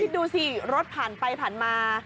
ดูสิรถผ่านไปผ่านมา